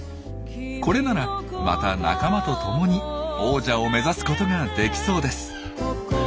これならまた仲間と共に王者を目指すことができそうです。